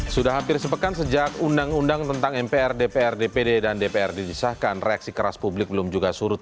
sudah hampir sepekan sejak undang undang tentang mpr dpr dpd dan dpr didisahkan reaksi keras publik belum juga surut